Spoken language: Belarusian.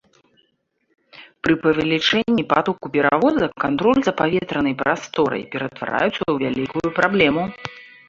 Пры павелічэнні патоку перавозак кантроль за паветранай прасторай ператвараецца ў вялікую праблему.